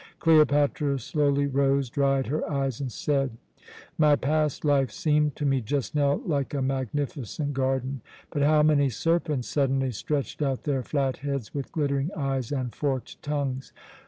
Cleopatra slowly rose, dried her eyes, and said: "My past life seemed to me just now like a magnificent garden, but how many serpents suddenly stretched out their flat heads with glittering eyes and forked tongues!